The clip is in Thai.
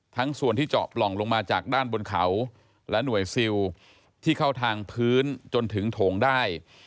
ทั้งส่วนที่เจาะปล่องลงมาจากด้านบนเขาและหน่วยซิลที่เข้าทางพื้นจนถึงโถงได้